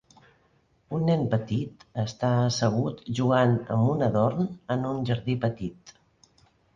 Un nen petit està assegut jugant amb un adorn en un jardí petit.